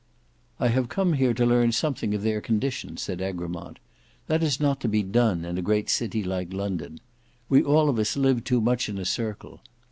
"I have come here to learn something of their condition," said Egremont. "That is not to be done in a great city like London. We all of us live too much in a circle.